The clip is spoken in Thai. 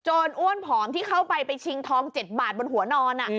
รอ้วนผอมที่เข้าไปไปชิงทอง๗บาทบนหัวนอน